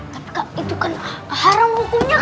tapi kak itu kan haram hukumnya kak